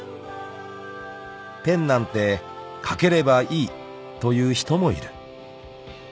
［ペンなんて書ければいいという人もいる］